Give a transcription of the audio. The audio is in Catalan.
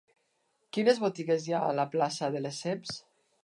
Quines botigues hi ha a la plaça de Lesseps?